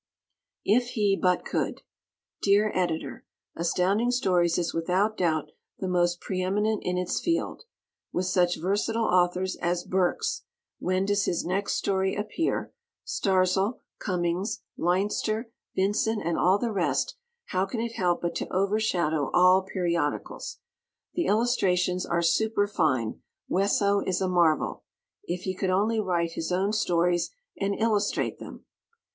If He But Could! Dear Editor: Astounding Stories is without doubt the most preeminent in its field. With such versatile authors as Burks (When does his next story appear?), Starzl, Cummings, Leinster, Vincent and all the rest, how can it help but to overshadow all periodicals! The illustrations are superfine. Wesso is a marvel! If he could only write his own stories and illustrate them!